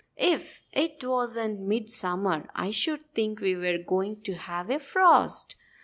"If it wasn't midsummer I should think we were going to have a frost!"